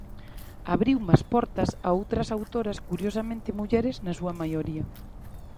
Abriume as portas a outra autoras, curiosamente mulleres na súa maioría.